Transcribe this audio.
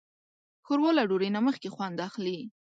ښوروا له ډوډۍ نه مخکې خوند اخلي.